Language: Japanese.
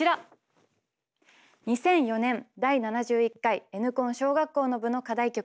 ２００４年第７１回「Ｎコン」小学校の部の課題曲